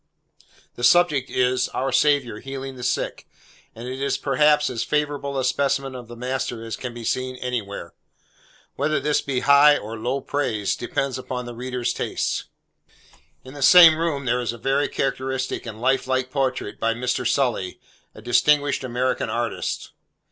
The subject is, our Saviour healing the sick, and it is, perhaps, as favourable a specimen of the master as can be seen anywhere. Whether this be high or low praise, depends upon the reader's taste. In the same room, there is a very characteristic and life like portrait by Mr. Sully, a distinguished American artist.